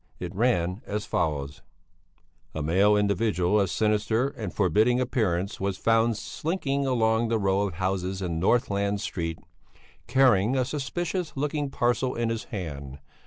It ran as follows: A male individual of sinister and forbidding appearance was found slinking along the row of houses in Northland Street, carrying a suspicious looking parcel in his hand.